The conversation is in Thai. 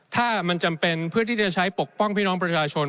ถ้ามันจำเป็นเพื่อที่จะใช้ปกป้องพี่น้องประชาชน